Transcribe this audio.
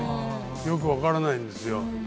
よく分からないんですよ。